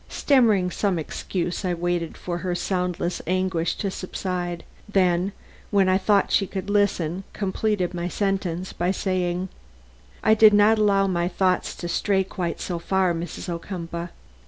Stammering some excuse, I waited for her soundless anguish to subside; then, when I thought she could listen, completed my sentence by saying: "I did not allow my thoughts to stray quite so far, Mrs. Ocumpaugh.